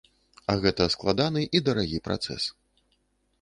А гэта складаны і дарагі працэс.